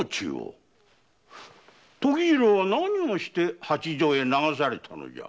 時次郎は何をして八丈へ流されたのじゃ？